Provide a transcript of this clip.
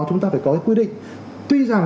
chúng ta phải có cái quy định tuy rằng